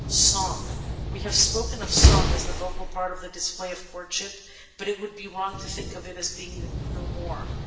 Song We have spoken of song as the vocal part in the display of courtship, but it would be wrong to think of it as being no more.